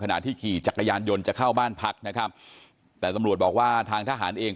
ที่ขี่จักรยานยนต์จะเข้าบ้านพักนะครับแต่ตำรวจบอกว่าทางทหารเอง